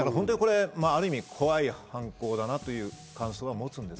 ある意味怖い犯行だなという感想を持つんです。